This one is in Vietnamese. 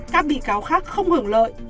các bị cáo khác không hưởng lợi